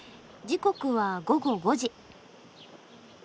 時刻は午後５時。